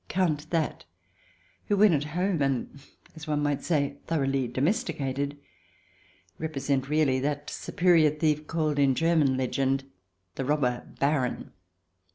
Count that, who, when at home, and, as one might say, thoroughly domesticated, represent really that superior thief, called in German CH. I] HOW ONE BECOMES AN ALIEN 9 legend the " Robber Baron."